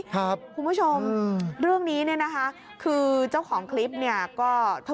คุณผู้ชมเรื่องนี้คือเจ้าของคลิป